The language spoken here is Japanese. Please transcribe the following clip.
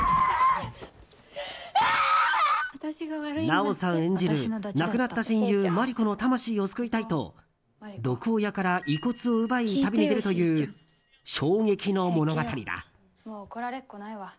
奈緒さん演じる亡くなった親友マリコの魂を救いたいと毒親から遺骨を奪い旅に出るという衝撃の物語だ。